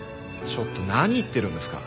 ちょっと何言ってるんですか。